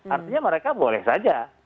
artinya mereka boleh saja